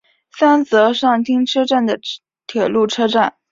三泽上町车站的铁路车站。